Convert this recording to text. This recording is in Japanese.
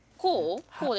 こう？